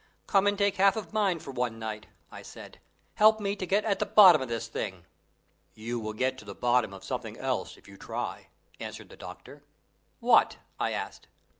"Come and take half of mine for one night," I said. "Help me to get at the bottom of this thing." "You will get to the bottom of something else if you try," answered the doctor. "What?" I asked.